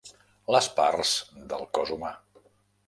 Les parts del cos humà.